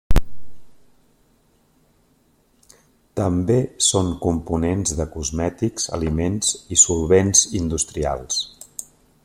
També són components de cosmètics, aliments, i solvents industrials.